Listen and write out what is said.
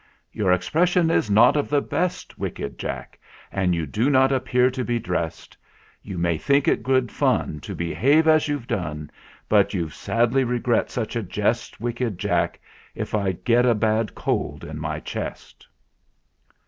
"Your expression is not of the best, wicked Jack, And you do not appear to be dressed. You may think it good fun To behave as you've done; But you'll sadly regret such a jest, wicked Jack, If I get a bad cold on my chest